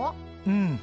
うん。